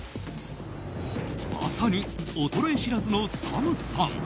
まさに衰え知らずのＳＡＭさん。